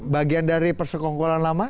bagian dari persekongkulan lama